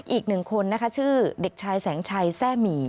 อีกหนึ่งคนนะคะชื่อเด็กชายแสงชัยแทร่หมี่